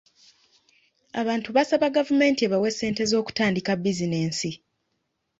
Abantu basaba gavumenti ebawe ssente z'okutandika bizinensi.